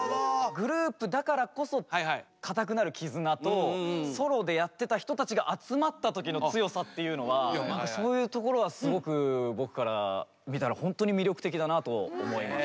グループだからこそ固くなる絆とソロでやってた人たちが集まった時の強さっていうのはそういうところはすごく僕から見たらほんとに魅力的だなと思います。